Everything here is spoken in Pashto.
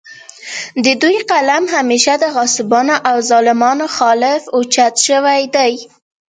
د دوي قلم همېشه د غاصبانو او ظالمانو خالف اوچت شوے دے